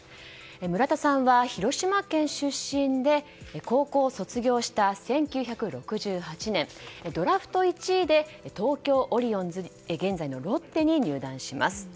村田さんは広島県出身で高校卒業した１９６８年ドラフト１位で東京オリオンズ現在のロッテに入団します。